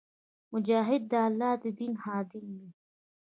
مجاهد د الله د دین خادم وي.